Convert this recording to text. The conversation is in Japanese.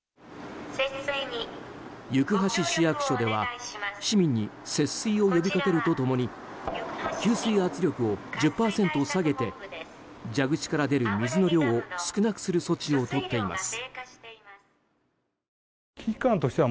行橋市役所では市民に節水を呼びかけると共に給水圧力を１０％下げて蛇口から出る水の量を少なくする措置をとっています。